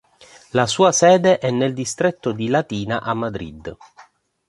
La sua sede è nel distretto di Latina a Madrid.